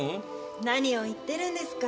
何を言ってるんですか。